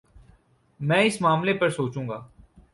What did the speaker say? میں اس معاملے پر سوچوں گا